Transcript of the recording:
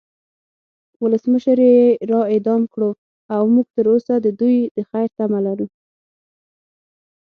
ولسمشر یی را اعدام کړو او مونږ تروسه د دوی د خیر تمه لرو